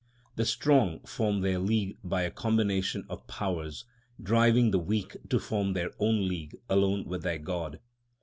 The strong form their league by a combination of powers, driving the weak to form their own league alone with their God.